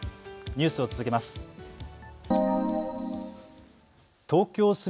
ニュースを続けます。